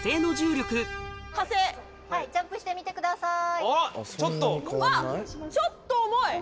ジャンプしてみてください。